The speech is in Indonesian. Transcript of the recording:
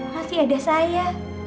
masih ada saya